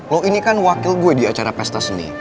lo ini kan wakil gue di acara pesta seni